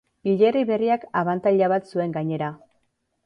Hilerri berriak abantaila bat zuen gainera.